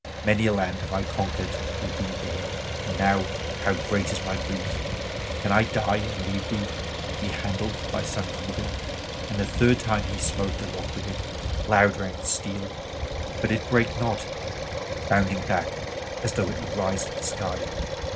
Many a land have I conquered with thee for him, and now how great is my grief! Can I die and leave thee to be handled by some heathen?" And the third time he smote a rock with it. Loud rang the steel, but it brake not, bounding back as though it would rise to the sky.